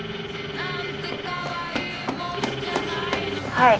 はい。